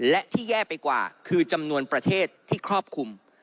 และที่แย่ไปกว่าคือจำนวนประเทศที่ครอบคลุม